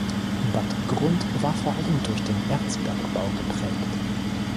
Bad Grund war vor allem durch den Erzbergbau geprägt.